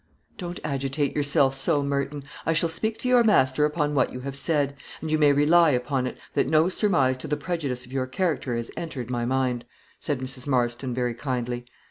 "Don't agitate yourself so, Merton; I shall speak to your master upon what you have said; and you may rely upon it, that no surmise to the prejudice of your character has entered my mind," said Mrs. Marston, very kindly.